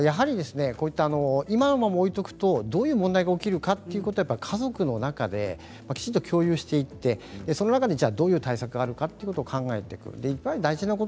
今のまま置いておくとどういう問題が起きるかということを家族の中で共有していってその中でどういう対策があるか考えることは大事ですね。